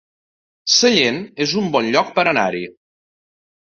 Sallent es un bon lloc per anar-hi